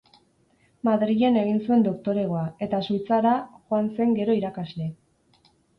Madrilen egin zuen doktoregoa, eta Suitzara joan zen gero irakasle.